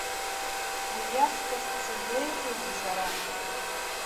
Уи иаҵкыс сызлеиӷьузеи сара?